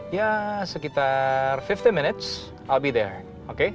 ya sekitar lima puluh menit aku akan datang oke